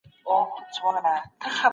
افغان سرتېرو د کندهار ښار څنګه ونیو؟